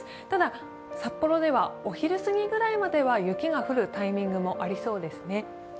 ただ札幌ではお昼過ぎぐらいまでは雪の降るタイミングありそうですね。